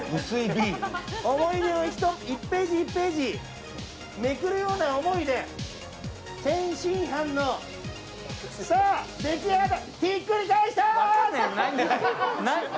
思い出を１ページ１ページめくるような思いで天津飯の、さあ出来上がり。